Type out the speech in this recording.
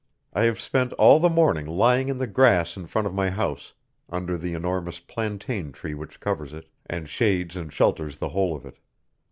I have spent all the morning lying in the grass in front of my house, under the enormous plantain tree which covers it, and shades and shelters the whole of it.